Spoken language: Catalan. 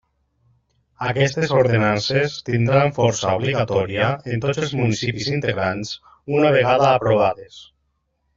Aquestes ordenances tindran força obligatòria en tots els municipis integrants, una vegada aprovades.